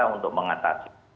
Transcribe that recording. adalah untuk mengatasi